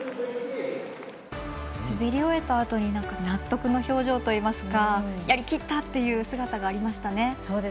滑り終えたあとに納得の表情といいますかやりきったという姿がありました。